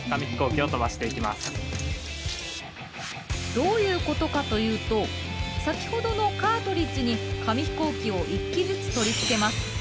どういうことかというと先ほどのカートリッジに紙ヒコーキを１機ずつ取り付けます。